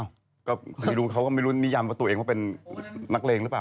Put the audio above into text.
อ้าวก็คิดดูเขาก็ไม่รู้นิยำว่าตัวเองเป็นนักเลงหรือเปล่า